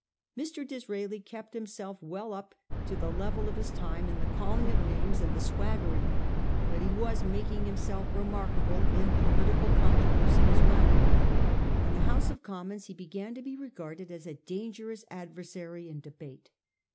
Mr. Disraeli kept himself well up to the level of his time in the calling of names and the swaggering. But he was making himself remarkable in political 394 A HISTORY OF OUR OWN TIMES. ch. in. controversy as well. In the House of Commons he began to be regarded as a dangerous adversary in debate.